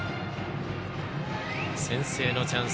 先制のチャンス